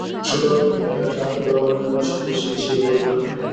ছোট আকারের লাইটার জাহাজে ব্যবহারের জন্য এসব রশি বেশি ব্যবহূত হয়।